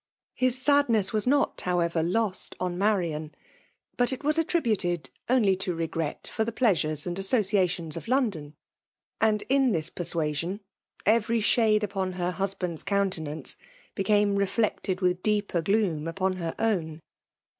His sadxiess was not, however^ lost on Marian ; but it was attributed only to regret for tbe plea sures and associations of London ; and m Ibis persuasion, every shade upon ber buabandTs ^untenaoce became reflected with . deeper gloom upon her own.